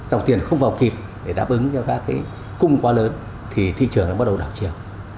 dòng tiền không vào kịp để đáp ứng cho các cái cung quá lớn thì thị trường đã bắt đầu đảo chiều